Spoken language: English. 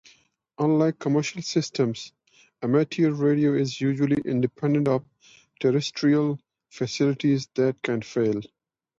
Unlike commercial systems, Amateur radio is usually independent of terrestrial facilities that can fail.